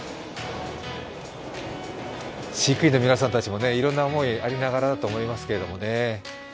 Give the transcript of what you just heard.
飼育員の皆さんたちもいろんな思いがありながらだと思いますけどね。